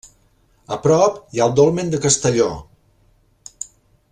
A prop hi ha el Dolmen de Castelló.